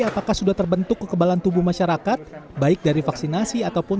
apakah sudah terbentuk kekebalan tubuh masyarakat baik dari vaksinasi ataupun